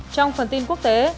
trong phần tin quốc tế